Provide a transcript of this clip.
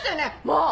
もう！